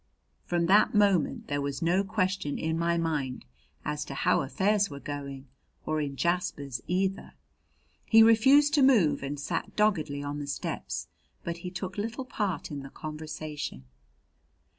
From that moment there was no question in my mind as to how affairs were going, or in Jasper's either. He refused to move and sat doggedly on the steps, but he took little part in the conversation.